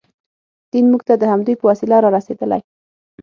دین موږ ته د همدوی په وسیله رارسېدلی.